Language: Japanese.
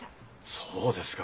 そうですか。